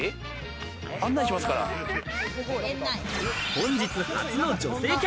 本日初の女性客。